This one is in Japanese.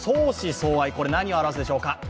これは何を表すでしょうか。